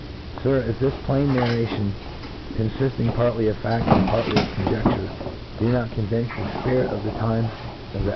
• Sir, , Sir, if this plain narration^ Coniifting partly of fetft, and partly of conjc£lu»p, do not convince the fpirit of the times of the.